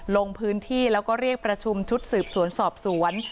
ลงพื้นที่แล้วก็เรียกประชุมชุดสืบสวนสอบสวน